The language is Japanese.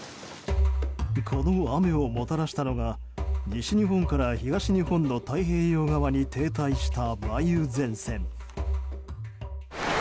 この雨をもたらしたのが西日本から東日本の太平洋側に停滞した梅雨前線。